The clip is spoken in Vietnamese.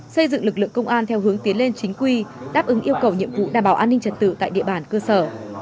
xây dựng lực lượng công an theo hướng tiến lên chính quy đáp ứng yêu cầu nhiệm vụ đảm bảo an ninh trật tự tại địa bàn cơ sở